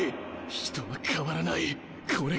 人は変わらないこれからも。